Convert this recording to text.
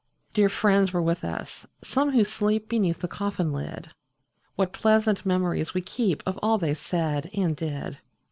Dear friends were with us, some who sleep Beneath the coffin lid : What pleasant memories we keep Of all they said and did